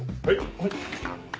はい。